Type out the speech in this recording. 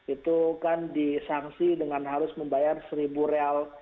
itu kan disangsi dengan harus membayar seribu real